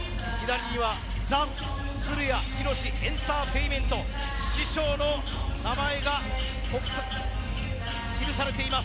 左には鶴屋浩エンターテインメントと師匠の名前が記されています。